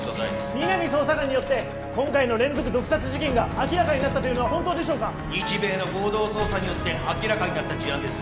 皆実捜査官によって今回の連続毒殺事件が明らかになったというのは本当でしょうか日米の合同捜査によって明らかになった事案です